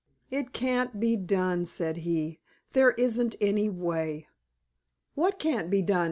] "It can't be done," said he. "There isn't any way." "What can't be done?"